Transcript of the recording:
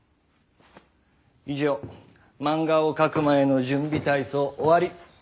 以上漫画を描く前の「準備体操」終わり。